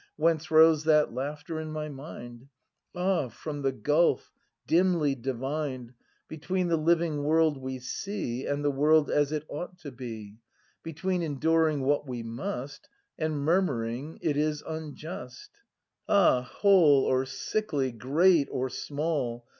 Whence rose that laughter in my mind ? Ah, from the gulf, dimly divined. Between the living world we see And the world as it ought to be. Between enduring what we must. And murmuring, it is unjust! Ah, whole or sickly, great or small.